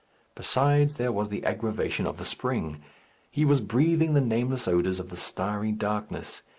Besides there was the aggravation of the spring. He was breathing the nameless odours of the starry darkness.